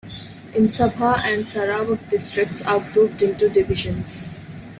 In Sabah and Sarawak districts are grouped into "Divisions".